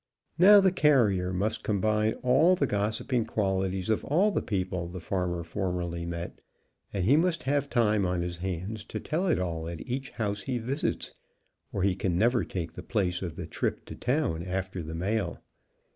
Now the carrier must combine all the gossiping qualities of all the people the farmer formerly met, and he must have time on his hands to tell it all at each house he visits, or he can never take the place of the trip to town after the mail.